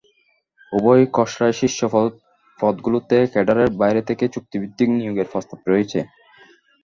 উভয় খসড়ায় শীর্ষ পদগুলোতে ক্যাডারের বাইরে থেকে চুক্তিভিত্তিক নিয়োগের প্রস্তাব রয়েছে।